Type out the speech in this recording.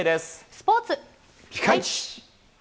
スポーツピカイチ。